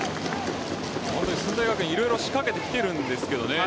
本当に駿台学園色々仕掛けてきているんですけどね。